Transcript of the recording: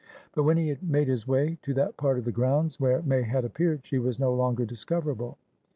But, when he had made his way to that part of the grounds where May had appeared, she was no longer discoverable.